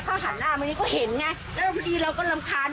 เขาหันหน้ามานี้ก็เห็นไงแล้วพอดีเราก็รำคาญ